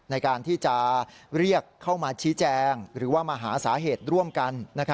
ในการที่จะเรียกเข้ามาชี้แจงหรือว่ามาหาสาเหตุร่วมกัน